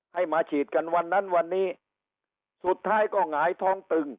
ให้มาฉีดกันวันนั้นวันนี้สุดท้ายก็หงายท้องตึง